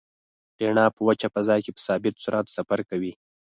رڼا په وچه فضا کې په ثابت سرعت سفر کوي.